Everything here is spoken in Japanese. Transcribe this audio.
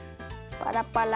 パラパラ。